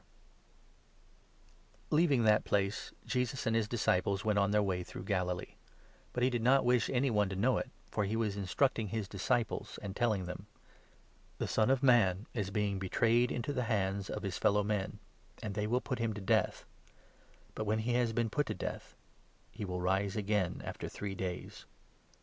Mai. 4. s 6. MARK, 9. 23 Leaving that place, Jesus and his disciples went 30 a. second t"ime, on their way through Galilee; but he did not foretells ' wish any one to know it, for he was instructing 31 his Death. j ,js disciples, and telling them — "The Son of Man is being betrayed into the hands of his fellow men, and they will put him to death, but, when he has been put to death, he will rise again after three days."